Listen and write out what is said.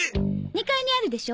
２階にあるでしょ？